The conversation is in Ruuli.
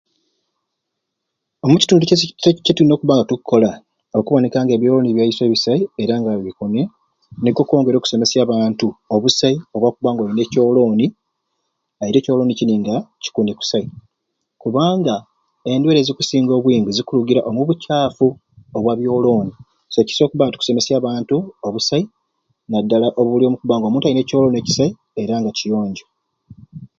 Omu kitundu kyaiswe kyetu kyetulina okubanga tukola okuboneka nga ebyoloni byaiswe bisai era nga bikuni nikwo okwongera okusomesya abantu obusai bwakubanga oyina ekyoloni ate ekyoloni kini nga kikuni kusai kubanga endwaire ezikusinga obwingi zikuligiira omubu kyaffu obwa byoloni so kisai okubanga tukusomesya abantu obusai nadala obuli omukubanga omuntu alina ekyoloni ekisai era nga kiyonjo.